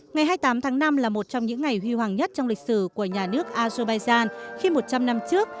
ngày hai mươi tám tháng năm là một trong những ngày huy hoàng nhất trong lịch sử của nhà nước azerbaijan khi một trăm linh năm trước